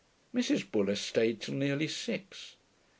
Mrs. Buller stayed till nearly six.